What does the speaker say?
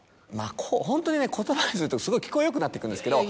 ホントにね言葉にするとすごい聞こえよくなっていくんですけど。